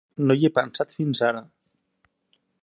No hi he pensat fins ara.